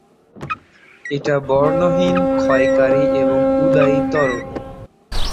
এটা বর্ণহীন, ক্ষয়কারী এবং উদ্বায়ী তরল।